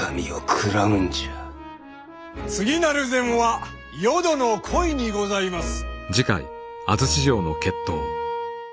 次なる膳は淀の鯉にございます。